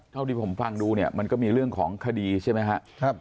เท่าที่ผมฟังดูเนี่ยมันก็มีเรื่องของคดีใช่ไหมครับ